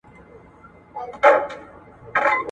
خپل ټولنیز مسؤلیت ادا کړئ.